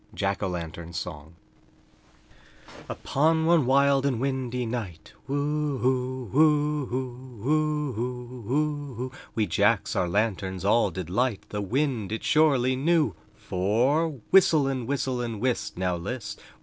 JACK O' LANTERN SONG Upon one wild and windy night Woo oo, woo oo, woo oo, woo oo We Jacks our lanterns all did light; The wind it surely knew FOR Whistle and whistle and whist! Now list!